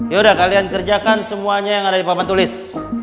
yaudah kalian kerjakan semuanya yang ada di papan tulis